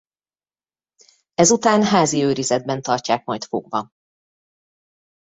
Ezután házi őrizetben tartják majd fogva.